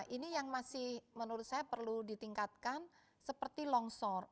ini yang masih menurut saya perlu ditingkatkan seperti longsor